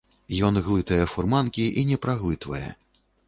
Ён глытае фурманкі і не праглытвае.